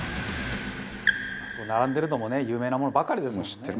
並んでるのもね有名なものばかりですもんね。